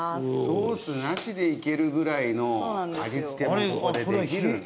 ソースなしでいけるぐらいの味つけもここでできるんだ。